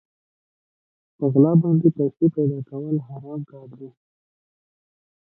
په غلا باندې پيسې پيدا کول حرام کار دی.